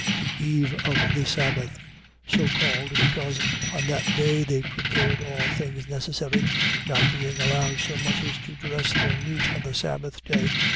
. .The eve of the sabbath; so called, because on that day they prepared all things necessary; not being allowed so much as to dress their meat on the sabbath day.